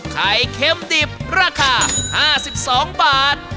ไข่เค็มดิบราคา๕๒บาท